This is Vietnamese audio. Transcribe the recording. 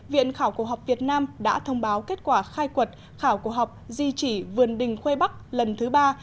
viện khảo cổ học việt nam đã thông báo kết quả khai quật khảo cổ học di trì vườn đình khuê bắc lần thứ ba